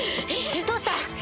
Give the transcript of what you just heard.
どうした？